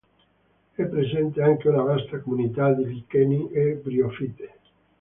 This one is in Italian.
È presente anche una vasta comunità di licheni e briofite.